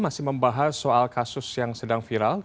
masih membahas soal kasus yang sedang viral